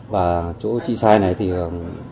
và chỗ trị sai này thì có thể được tham gia